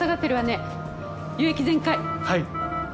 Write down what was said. はい。